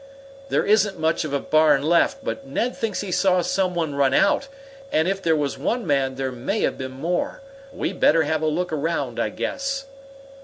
"There isn't much of a barn left, but Ned thinks he saw some one run out, and if there was one man there may have been more. We'd better have a look around, I guess."